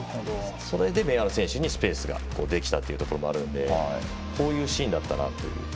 それでベン・アール選手にスペースができたというのがあるのでこういうシーンだったなと。